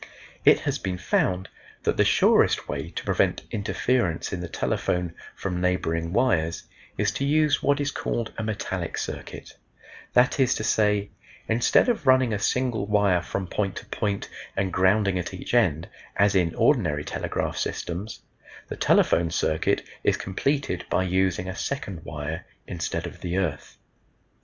It has been found that the surest way to prevent interference in the telephone from neighboring wires is to use what is called a metallic circuit that is to say, instead of running a single wire from point to point and grounding at each end, as in ordinary telegraph systems, the telephone circuit is completed by using a second wire instead of the earth.